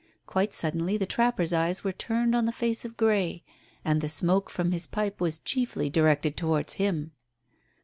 Quite suddenly the trapper's eyes were turned on the face of Grey, and the smoke from his pipe was chiefly directed towards him.